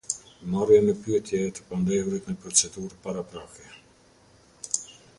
Marrja në pyetje e të pandehurit në procedurë paraprake.